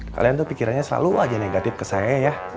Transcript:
kalian tuh pikirannya selalu aja negatif ke saya ya